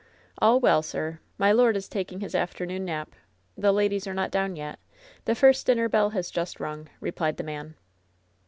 "All well, sir. My lord is taking his afternoon nap. The ladies are not down yet. The first dinner bell has just rung," replied the man.